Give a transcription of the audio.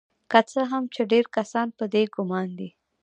که څه هم چې ډیر کسان په دې ګمان دي